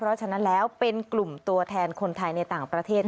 เพราะฉะนั้นแล้วเป็นกลุ่มตัวแทนคนไทยในต่างประเทศ